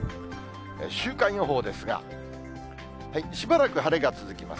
週間予報ですが、しばらく晴れが続きます。